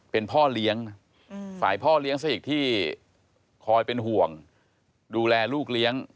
เป็นพ่อเลี้ยงฝ่ายพ่อเลี้ยงซะอีกที่คอยเป็นห่วงดูแลลูกเลี้ยง